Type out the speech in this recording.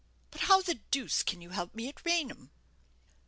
"But how the deuce can you help me at Raynham?"